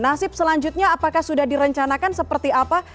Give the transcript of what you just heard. nasib selanjutnya apakah sudah direncanakan seperti apa